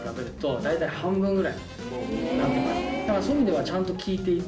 だからそういう意味ではちゃんと効いていて。